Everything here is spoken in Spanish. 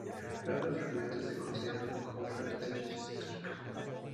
Algunos fragmentos se consideran como fuente de hechos históricos.